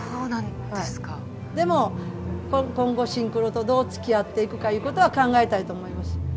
でも今後、シンクロとどうつき合っていくかということは考えたいと思います。